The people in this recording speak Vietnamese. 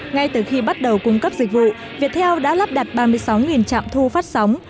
ngay từ khi bắt đầu cung cấp dịch vụ viettel đã lắp đặt ba mươi sáu trạm thu phát sóng